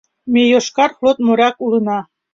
Ме Йошкар Флот моряк улына.